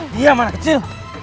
diam anak kecil